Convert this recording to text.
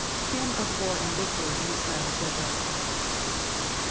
HYMN OF WAR AND VICTORY IN THE STYLE OF DEBORAH.